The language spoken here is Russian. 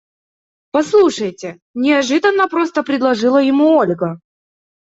Послушайте, – неожиданно просто предложила ему Ольга.